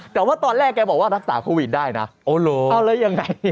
แต่ว่าตอนแรกแกบอกว่ารักษาโควิดได้นะอ๋อเหรอเอาแล้วยังไง